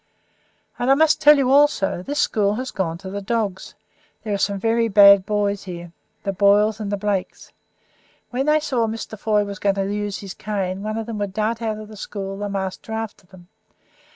And, I must tell you also this school has gone to the dogs; there are some very bad boys here the Boyles and the Blakes. When they saw Mr. Foy was going to use his cane on them they would dart out of the school, the master after them.